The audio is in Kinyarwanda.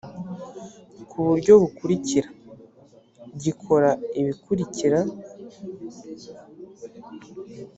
ku buryo bukurikira gikora ibikurikira